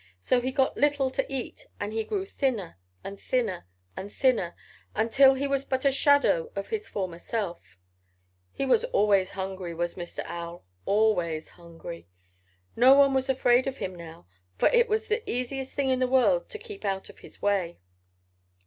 So he got little to eat and he grew thinner and thinner and thinner until he was but a shadow of his former self. He was always hungry, was Mr. Owl, always hungry. No one was afraid of him now, for it was the easiest thing in the world to keep out of his way.